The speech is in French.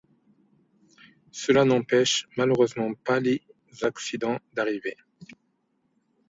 Cela n'empêche malheureusement pas les accidents d'arriver.